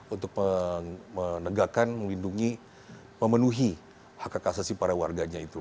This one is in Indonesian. untuk menegakkan melindungi memenuhi hak hak asasi para warganya itu